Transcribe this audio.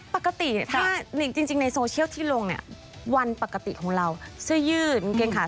ปกติแต่งตัวยังไง